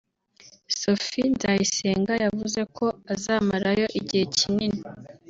Sophie Nzayisenga yavuze ko azamarayo igihe kinini